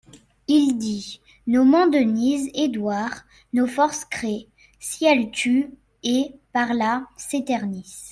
Il dit, nommant Denise, Edouard : Nos forces créent, si elles tuent ; et, par là, s'éternisent.